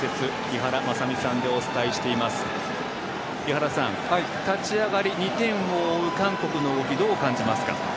井原さん、立ち上がり２点を追う韓国の動きどう感じますか？